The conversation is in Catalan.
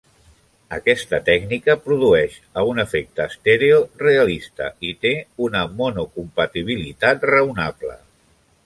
Aquesta tècnica produeix a un efecte estèreo realista i té una monocompatibilitat raonable.